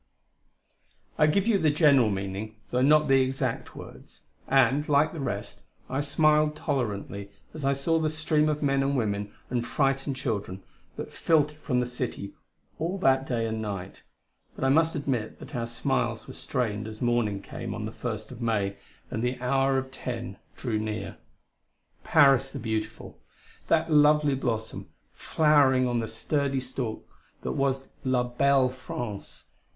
I give you the general meaning though not the exact words. And, like the rest, I smiled tolerantly as I saw the stream of men and women and frightened children that filtered from the city all that day and night; but I must admit that our smiles were strained as morning came on the First of May, and the hour of ten drew near. Paris, the beautiful that lovely blossom, flowering on the sturdy stalk that was La Belle France!